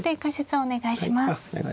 お願いします。